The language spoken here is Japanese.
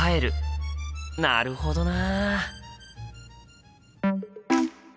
なるほどな。